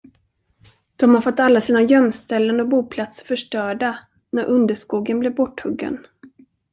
De har fått alla sina gömställen och boplatser förstörda, när underskogen blev borthuggen.